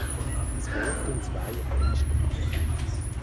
Es folgten zwei Einschnitte.